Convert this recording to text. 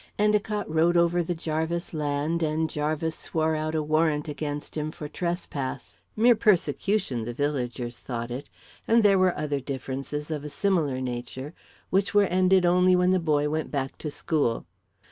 Endicott rode over the Jarvis land, and Jarvis swore out a warrant against him for trespass mere persecution, the villagers thought it, and there were other differences of a similar nature, which were ended only when the boy went back to school.